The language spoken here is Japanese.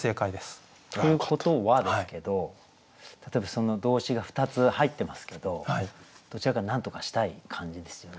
ということはですけど例えば動詞が２つ入ってますけどどちらかなんとかしたい感じですよね。